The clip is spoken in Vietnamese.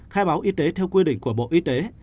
khai báo y tế theo quy định của bộ y tế